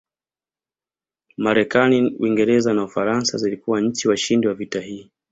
Marekani Uingereza na Ufaransa zilikuwa nchi washindi wa vita hii